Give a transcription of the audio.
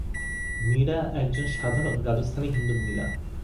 মীরা একজন সাধারণ রাজস্থানী হিন্দু মহিলা।